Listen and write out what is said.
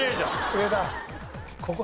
上田。